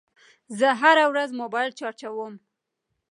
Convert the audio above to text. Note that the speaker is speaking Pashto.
زه هره ورځ موبایل چارجوم.